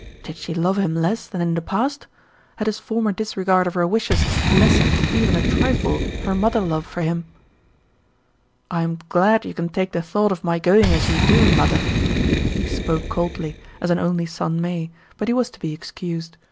Did she love him less than in the past? Had his former disregard of her wishes lessened even a trifle her mother love for him? "I'm glad you can take the thought of my going as you do, mother." He spoke coldly, as an only son may, but he was to be excused.